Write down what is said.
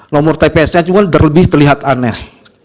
nomor tps nya juga terlihat aneh